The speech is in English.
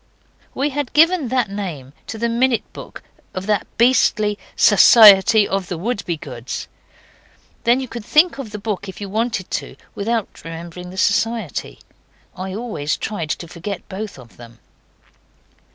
We had given that name to the minute book of that beastly 'Society of the Wouldbegoods'. Then you could think of the book if you wanted to without remembering the Society. I always tried to forget both of them.